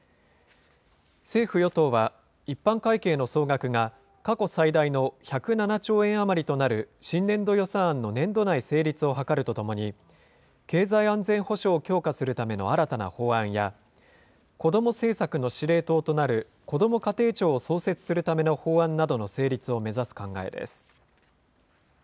政府・与党は、一般会計の総額が過去最大の１０７兆円余りとなる新年度予算案の年度内成立を図るとともに、経済安全保障を強化するための新たな法案や、子ども政策の司令塔となるこども家庭庁を創設するための法案などの成立を目指す考えです。